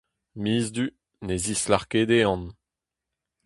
Miz Du… ne zislâr ket e anv !